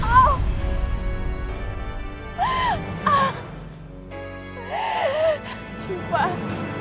kamu tunggu mama nak